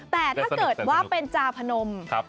แต่ถ้าเกิดว่าเป็นจาพนม